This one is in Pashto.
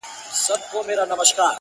چي حاجي حاجي ئې بولې، اخير به حاجي سي.